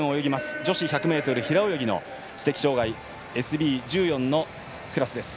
女子１００ｍ平泳ぎの知的障がいＳＢ１４のクラスです。